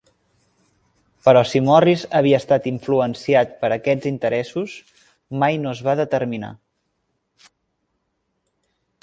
Però si Morris havia estat influenciat per aquests interessos mai no es va determinar.